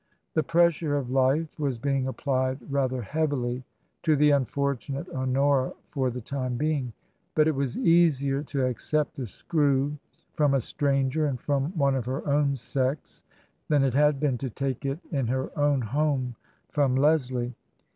The pressure of life was being applied rather heavily to the unfortunate Honora for the time being. But it was easier to accept the screw from a stranger and from one of her own sex than it had been to take it in her own home from Leslie.